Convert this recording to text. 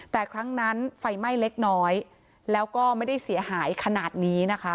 แต่ครั้งนั้นไฟไหม้เล็กน้อยแล้วก็ไม่ได้เสียหายขนาดนี้นะคะ